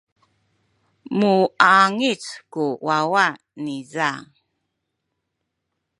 muwangic ku wawa niza.